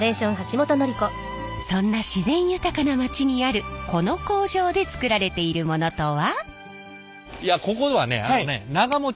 そんな自然豊かな町にあるこの工場で作られているものとは？